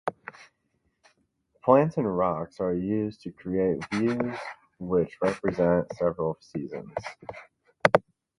Plants and rocks are used to create views which represent several seasons.